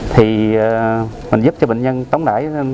thì mình giúp cho bệnh nhân tống đải